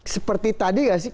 seperti tadi ya sih